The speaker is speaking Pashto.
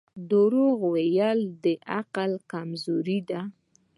• دروغ ویل د عقل کمزوري ده.